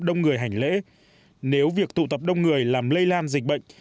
đông người hành lễ nếu việc tụ tập đông người làm lây lan dịch bệnh